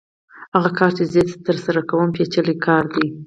هغه کار چې زه یې ترسره کوم پېچلی کار دی